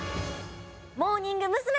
モーニング娘。